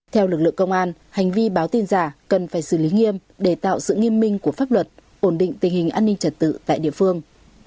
theo lực lượng công an hành vi báo tin giả cần phải xử lý nghiêm để tạo sự nghiêm minh của pháp luật ổn định tình hình an ninh trật tự tại địa phương